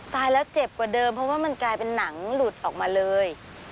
ตายแล้วเจ็บกว่าเดิมเพราะว่ามันกลายเป็นหนังหลุดออกมาเลย